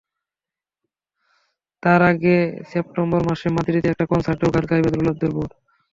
তার আগে সেপ্টেম্বর মাসে মাদ্রিদে একটা কনসার্টেও গান গাইবেন রোনালদোর বোন।